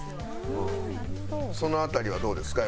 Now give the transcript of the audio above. その辺りはどうですか？